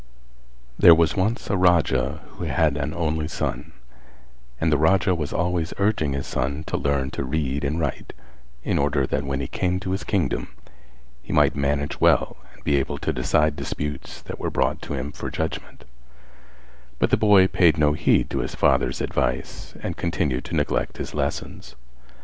There was once a Raja who had an only son and the Raja was always urging his son to learn to read and write in order that when he came to his kingdom he might manage well and be able to decide disputes that were brought to him for judgment; but the boy paid no heed to his father's advice and continued to neglect his lessons.